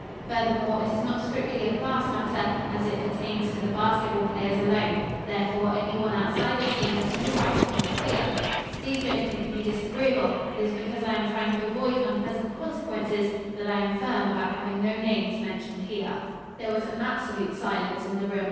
Furthermore it is not strictly a class matter, as it pertains to the basketball players alone. Therefore any one outside the team has no right to interfere. Please don't think me disagreeable. It is because I am trying to avoid unpleasant consequences that I am firm about having no names mentioned here." [Illustration: "You Need Mention No Names While in My House."] There was an absolute silence in the room.